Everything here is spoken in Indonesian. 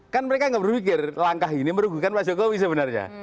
kan mereka nggak berpikir langkah ini merugikan pak jokowi sebenarnya